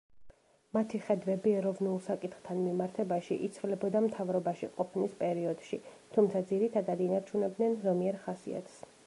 მათი ხედვები ეროვნულ საკითხთან მიმართებაში იცვლებოდა მთავრობაში ყოფნის პერიოდში, თუმცა ძირითადად ინარჩუნებდნენ ზომიერ ხასიათს.